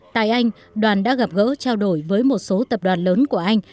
tại anh đoàn đã gặp gỡ trao đổi với một số tập đoàn lớn của anh